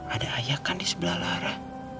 ada ayah kan disebelah lara